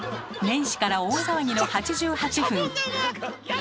年始から大騒ぎの８８分！